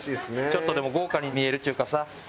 ちょっとでも豪華に見えるっちゅうかさ。